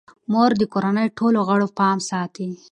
مور د کورنۍ ټولو غړو پام ساتي.